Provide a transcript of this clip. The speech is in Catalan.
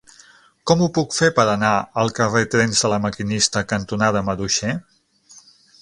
Com ho puc fer per anar al carrer Trens de La Maquinista cantonada Maduixer?